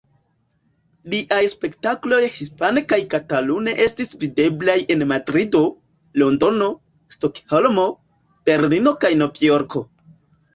Liaj spektakloj hispane kaj katalune estis videblaj en Madrido, Londono, Stokholmo, Berlino kaj Novjorko.